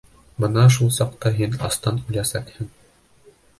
Бына шул саҡта һин астан үләсәкһең.